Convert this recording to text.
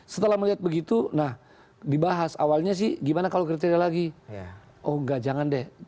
setelah melihat begitu nah dibahas awalnya sih gimana kalau kriteria lagi oh enggak jangan deh